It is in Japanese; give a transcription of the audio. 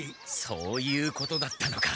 そういうことだったのか。